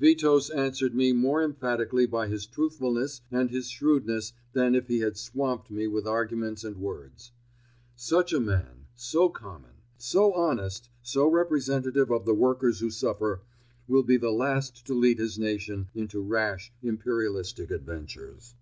Witos answered me more emphatically by his truthfulness and his shrewdness than if he had swamped me with arguments and words. Such a man, so common; so honest, so representative of the workers who suffer, will be the last to lead his nation into rash, imperialistic adventures.